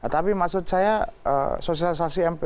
tapi maksud saya sosialisasikan pancasila itu saya tuh belum sampai